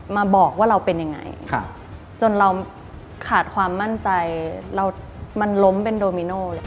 มาบอกว่าเราเป็นอย่างไร